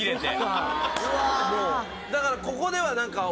だからここでは。